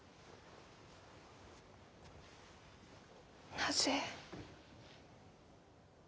なぜ。